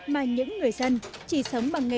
mà những người dân chỉ sống bằng sản phẩm